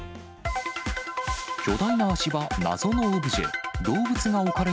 巨大な足場、謎のオブジェ。